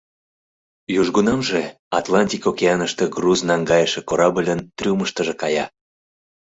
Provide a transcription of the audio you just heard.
Южгунамже Атлантик океаныште груз наҥгайыше корабльын трюмыштыжо кая.